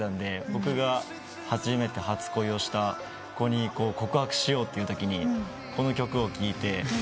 僕が初めて初恋をした子に告白しようってときにこの曲を聴いて。